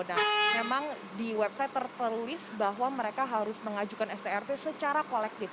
nah memang di website tertulis bahwa mereka harus mengajukan strp secara kolektif